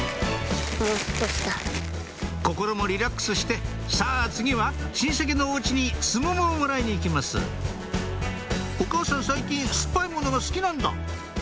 心もリラックスしてさぁ次は親戚のお家にスモモをもらいに行きます「お母さん最近酸っぱいものが好きなんだ」